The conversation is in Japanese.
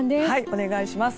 お願いします。